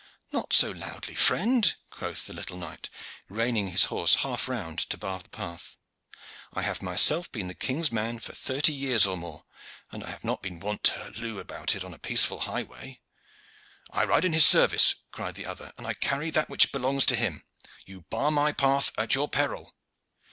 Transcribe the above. "Not so loudly, friend," quoth the little knight, reining his horse half round to bar the path. "I have myself been the king's man for thirty years or more, but I have not been wont to halloo about it on a peaceful highway." "I ride in his service," cried the other, "and I carry that which belongs to him. You bar my path at your peril."